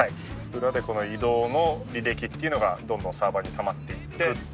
裏でこの移動の履歴っていうのがどんどんサーバーにたまっていって。